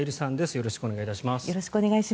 よろしくお願いします。